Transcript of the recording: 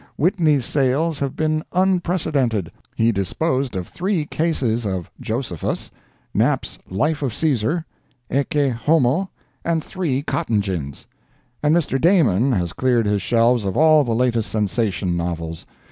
Whitney's sales have been unprecedented. He disposed of three cases of "Josephus," Nap's "Life of Caesar," "Ecce Homo," and three cotton gins; and Mr. Damon has cleared his shelves of all the latest sensation novels.